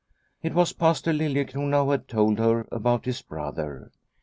It was Pastor Liliecrona who had told her about his brother.